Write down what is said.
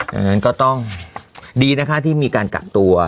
ดังนั้นก็ต้องดีนะคะที่มีการกักตัว